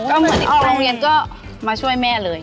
ก็เหมือนออกโรงเรียนก็มาช่วยแม่เลย